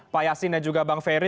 pak yasin dan juga bang ferry